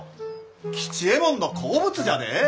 吉右衛門の好物じゃで！